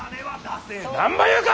何ば言うか！